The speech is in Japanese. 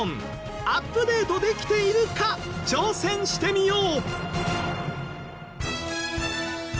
アップデートできているか挑戦してみよう！